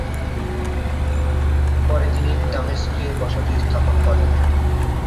পরে তিনি দামেস্কে বসতি স্থাপন করেন।